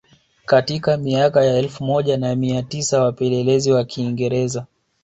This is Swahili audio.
Katika miaka ya elfu moja na mia tisa wapelelezi wa Kiingereza